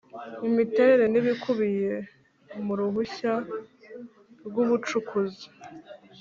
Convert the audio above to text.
Imiterere n ibikubiye mu ruhushya rw ubucukuzi